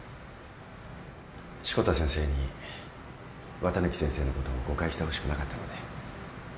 志子田先生に綿貫先生のことを誤解してほしくなかったので。